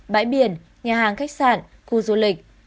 bãi biển nhà hàng khách sạn khu du lịch